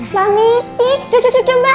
mami cik duduk mbak